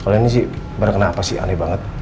kalian ini sih berkena apa sih aneh banget